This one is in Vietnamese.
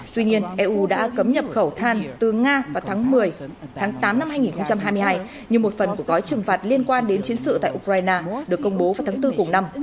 tuy nhiên eu đã cấm nhập khẩu than từ nga vào tháng một mươi tháng tám năm hai nghìn hai mươi hai như một phần của gói trừng phạt liên quan đến chiến sự tại ukraine được công bố vào tháng bốn cùng năm